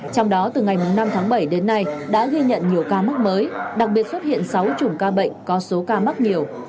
trong đó từ ngày năm tháng bảy đến nay đã ghi nhận nhiều ca mắc mới đặc biệt xuất hiện sáu chủng ca bệnh có số ca mắc nhiều